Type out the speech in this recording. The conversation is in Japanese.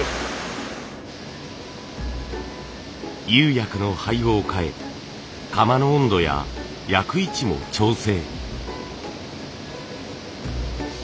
釉薬の配合を変え窯の温度や焼く位置も調整。